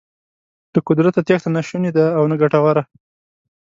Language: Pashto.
له قدرته تېښته نه شونې ده او نه ګټوره.